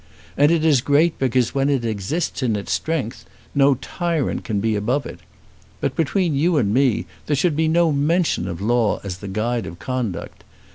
And it is great, because where it exists in its strength, no tyrant can be above it. But between you and me there should be no mention of law as the guide of conduct.